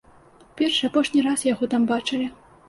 Першы і апошні раз яго там бачылі.